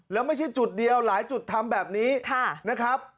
แล้วไม่ใช่จุดเดียวหลายจุดทำแบบนี้นะครับ